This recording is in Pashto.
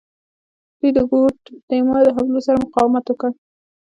دوی د ګوډ تیمور د حملو سره مقاومت وکړ.